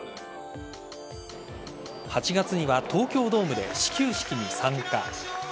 ８月には東京ドームで始球式に参加。